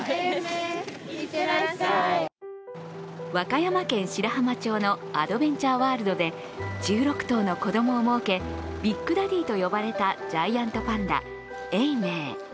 和歌山県白浜町のアドベンチャーワールドで１６頭の子供を設けビッグダディと呼ばれたジャイアントパンダ、永明。